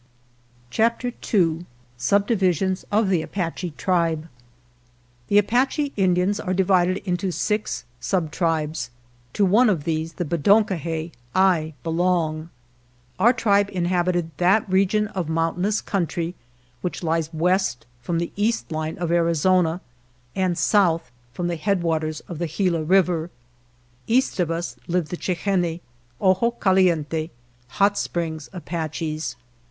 11 CHAPTER II SUBDIVISIONS OF THE APACHE TRIBE THE Apache Indians are divided into six sub tribes. To one of these, the Be don ko he, I belong. Our tribe inhabited that region of moun tainous country which lies west from the east line of Arizona, and south from the head waters of the Gila River. East of us lived the Chi hen ne (Ojo Caliente), (Hot Springs) Apaches.